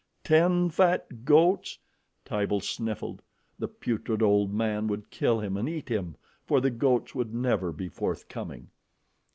Ten fat goats! Tibo sniffled. The putrid old man would kill him and eat him, for the goats would never be forthcoming.